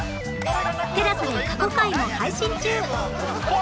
ＴＥＬＡＳＡ で過去回も配信中